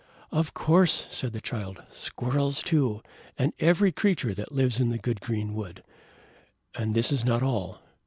"Of course!" said the Child. "Squirrels, too, and every creature that lives in the good green wood. And this is not all!